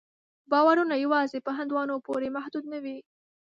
باورونه یوازې په هندوانو پورې محدود نه وو.